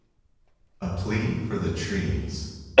_ A PLEA FOR THE TREES.